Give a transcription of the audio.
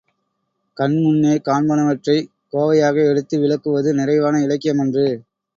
கண்முன்னே காண்பனவற்றைக் கோவையாக எடுத்து விளக்குவது நிறைவான இலக்கியமன்று.